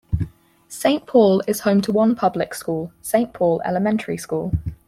Saint Paul is home to one public school, Saint Paul Elementary School.